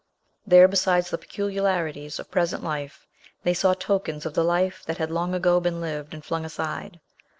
There, besides the peculiarities of present life, they saw tokens of the life that had long ago been lived and flung aside.